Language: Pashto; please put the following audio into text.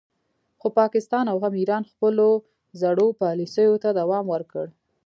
خو پاکستان او هم ایران خپلو زړو پالیسیو ته دوام ورکړ